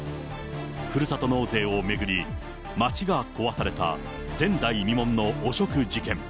ふるさと納税を巡り町が壊された、前代未聞の汚職事件。